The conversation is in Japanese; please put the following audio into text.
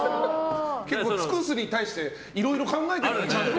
尽くすに対していろいろ考えてるんだね。